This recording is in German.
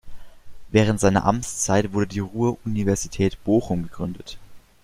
Während seiner Amtszeit wurde die Ruhr-Universität Bochum gegründet.